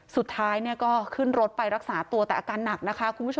สุดท้ายก็ขึ้นรถไปรักษาตัวแต่อาการหนักนะคะคุณผู้ชม